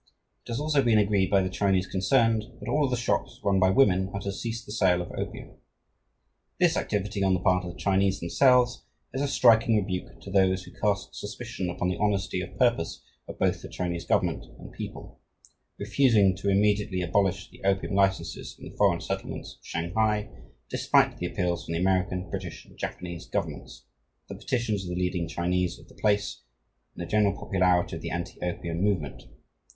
It has also been agreed by the Chinese concerned that all of the shops run by women are to cease the sale of opium. This activity on the part of the Chinese themselves is a striking rebuke to those who cast suspicion upon the honesty of purpose of both the Chinese government and people, refusing to immediately abolish the opium licenses in the foreign settlements of Shanghai, despite the appeals from the American, British, and Japanese governments, the petitions of the leading Chinese of the place and the general popularity of the anti opium movement.